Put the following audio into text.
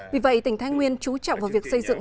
vì vậy tỉnh thái nguyên trú trọng vào việc xây dựng